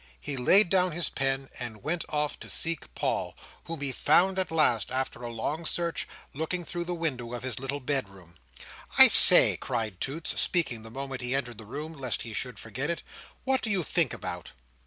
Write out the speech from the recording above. He laid down his pen, and went off to seek Paul, whom he found at last, after a long search, looking through the window of his little bedroom. "I say!" cried Toots, speaking the moment he entered the room, lest he should forget it; "what do you think about?"